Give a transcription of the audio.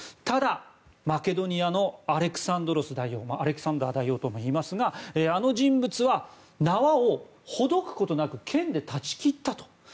ただ、マケドニアのアレクサンドロス大王アレキサンダー大王とも言いますがあの人物はほどくことなく剣でたち切ったと。